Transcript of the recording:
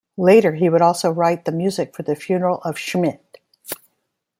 Later, he would also write the music for the funeral of Schmidt.